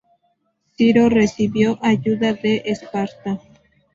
Ciro recibió ayuda de Esparta.